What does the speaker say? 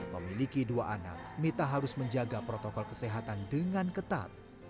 memiliki dua anak mita harus menjaga protokol kesehatan dengan ketat